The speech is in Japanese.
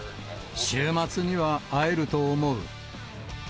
週末には会えると思う。